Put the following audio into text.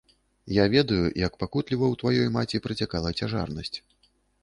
Я ведаю, як пакутліва ў тваёй маці працякала цяжарнасць.